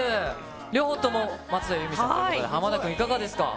両方とも松任谷由実さんということで、浜田君、いかがですか。